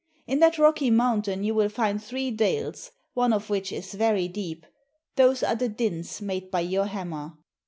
In that rocky mountain you will find three dales, one of which is very deep, those are the dints made by your hammer.